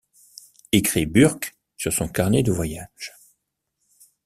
écrit Burke sur son carnet de voyage.